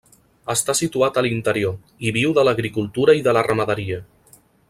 Està situat a l'interior, i viu de l'agricultura i de la ramaderia.